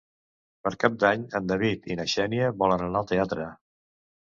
Per Cap d'Any en David i na Xènia volen anar al teatre.